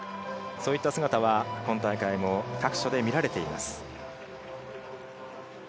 そういった姿は今大会も各所で見られています。